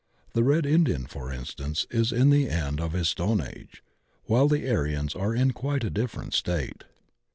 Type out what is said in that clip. The Red Indian, for instance, is in the end of his stone age, while the Aryans are in quite a different state.